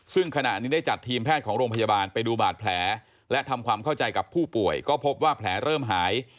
ซึ่งขณะนี้ได้จัดทีมแพทย์ของโรงพยาบาลไปดูบาดแผลและทำความเข้าใจกับผู้ป่วยก็พบว่าแผลเริ่มหาย